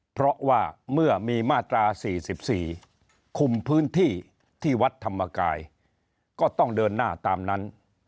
เพราะว่าเมื่อมีมาตรา๔๔คุมพื้นที่ที่วัดธรรมกายก็ต้องเดินหน้าตามนั้น